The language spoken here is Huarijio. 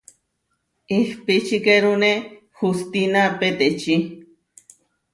Ihpičikerune hustína petečí.